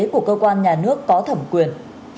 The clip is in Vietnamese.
của cơ quan nhà nước có thẩm quyền